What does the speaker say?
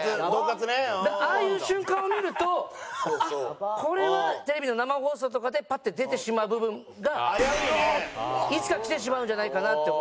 ああいう瞬間を見るとこれはテレビの生放送とかでパッて出てしまう部分がいつかきてしまうんじゃないかなって思って。